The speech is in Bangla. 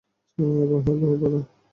এবং, হ্যালো বলা!